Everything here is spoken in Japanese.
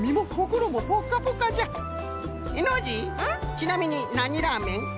ちなみになにラーメン？